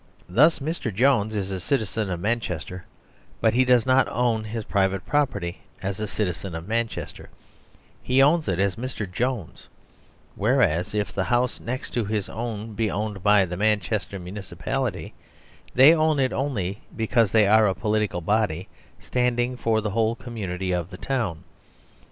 Thus Mr Jones is a citizen of Manchester, but he does not own his private property as a citizen of Manchester, he owns 14 DEFINITIONS it as Mr Jones, whereas, if the house next to his own be owned by the Manchester municipality, they own it only because they are a political body standing for the whole community of the town.